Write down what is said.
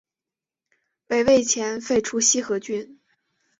北魏前期废除西河郡。